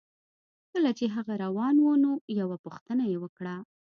کله چې هغه روان و نو یوه پوښتنه یې وکړه